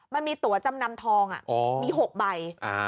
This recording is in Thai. มันมีตัวจำนำทองมี๖ใบ